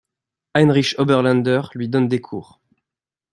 Heinrich Oberländer lui donne des cours.